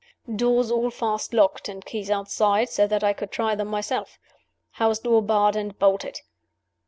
Doors all fast locked and keys outside, so that I could try them myself. House door barred and bolted.